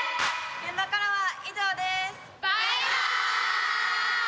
現場からは以上です。